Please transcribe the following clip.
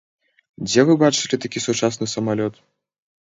Дзе вы бачылі такі сучасны самалёт?